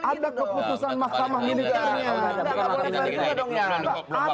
ada keputusan mahkamah milikarnya